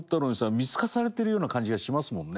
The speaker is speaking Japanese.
見透かされてるような感じがしますもんね。